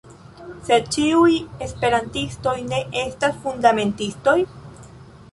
Sed ĉiuj Esperantistoj ne estas fundamentistoj?